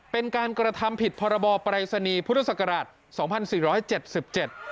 เป็นการกระทำผิดพรบปรัยศนีพุทธศักราช๒๔๗๗